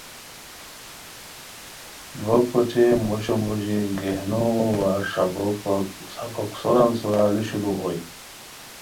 بوکو اوچے موشو موژی گہنو وا ݰابوک سوران سورا لو شروع ہوئے